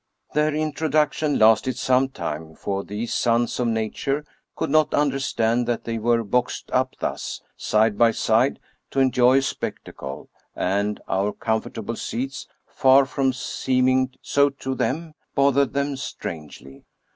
Their introduction lasted some time, for these sons of nature could not understand that they were boxed up thus, side by side, to enjoy a spectacle, and our comfortable seats, far from seeming so to them, bothered them strangely.